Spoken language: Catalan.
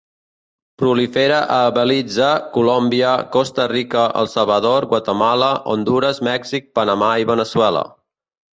Prolifera a Belize, Colòmbia, Costa Rica, El Salvador, Guatemala, Hondures, Mèxic, Panamà i Veneçuela.